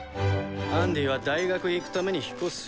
アンディは大学へ行くために引っ越す。